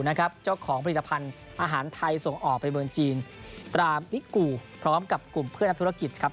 เจ้าของผลิตภัณฑ์อาหารไทยส่งออกไปเมืองจีนตรามิกูพร้อมกับกลุ่มเพื่อนนักธุรกิจครับ